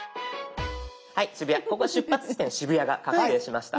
ここは「出発地点渋谷」が確定しました。